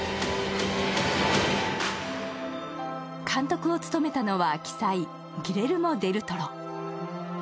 監督を務めたのは鬼才、ギレルモ・デル・トロ。